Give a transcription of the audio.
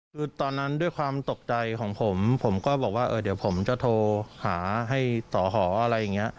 คือตอนนั้นด้วยความตกใจของผมผมก็บอกว่าเดี๋ยวผมจะโทรหาให้สอหออะไรอย่างนี้